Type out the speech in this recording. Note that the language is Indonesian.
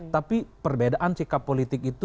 tapi perbedaan sikap politik itu